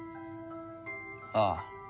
ああ。